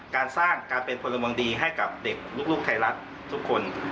การสร้างการเป็นพลเมืองดีให้กับเด็กลูกไทยรัฐทุกคน